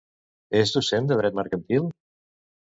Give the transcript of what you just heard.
És docent de dret mercantil?